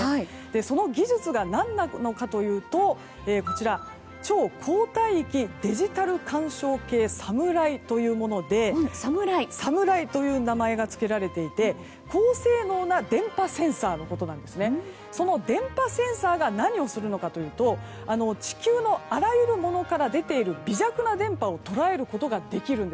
その技術が何なのかというと超広帯域デジタル干渉計ＳＡＭＲＡＩという名前が付けられていて高性能な電波センサーのことでその電波センサーが何をするかというと地球のあらゆるものから出る微弱な電波を捉えることができると。